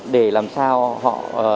để làm sao họ